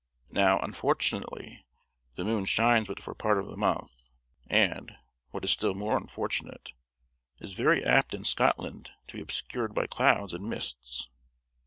Now, unfortunately, the moon shines but for a part of the month; and, what is still more unfortunate, is very apt in Scotland to be obscured by clouds and mists.